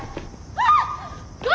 あっ！